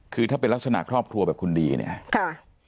คือถ้าเป็นลักษณะครอบครัวแบบคุณดีเนี่ยค่ะ